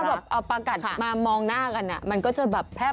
จริงหมายถึงว่าเอาประกัดมามองหน้ากันมันก็จะแพร่พันธุ์ได้เลย